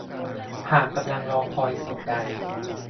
หากกำลังรอคอยสิ่งใด